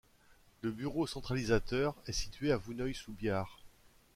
Le bureau centralisateur est situé à Vouneuil-sous-Biard.